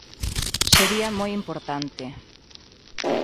Sería moi importante.